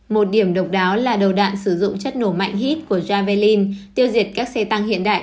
một điểm độc đáo là đầu đạn sử dụng chất nổ mạnh hít của javalin tiêu diệt các xe tăng hiện đại